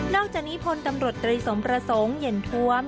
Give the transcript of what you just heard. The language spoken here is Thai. อกจากนี้พลตำรวจตรีสมประสงค์เย็นทวม